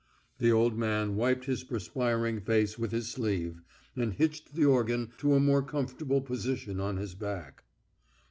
The old man wiped his perspiring face with his sleeve, and hitched the organ to a more comfortable position on his back.